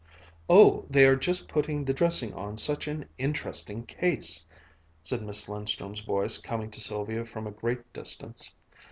"Oh, they are just putting the dressing on such an interesting case!" said Miss Lindström's voice coming to Sylvia from a great distance.